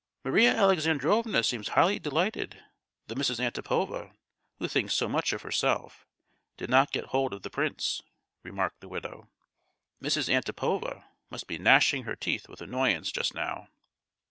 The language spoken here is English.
"Maria Alexandrovna seems highly delighted that Mrs. Antipova, who thinks so much of herself, did not get hold of the prince!" remarked the widow; "Mrs. Antipova must be gnashing her teeth with annoyance just now!